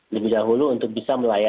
lebih dahulu untuk bisa melayani